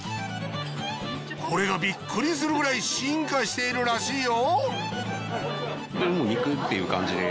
これがビックリするくらい進化しているらしいよ